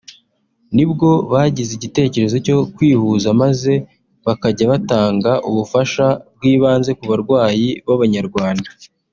nibwo bagize igitekerezo cyo kwihuza maze bakajya batanga ubufasha bw’ibanze ku barwayi b’ababanyarwanda